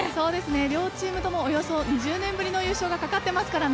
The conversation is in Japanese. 両チームともおよそ２０年ぶりの優勝が懸かってますからね。